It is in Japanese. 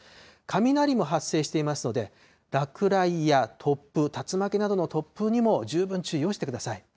雷も発生していますので、落雷や突風、竜巻などの突風にも十分注意をしてください。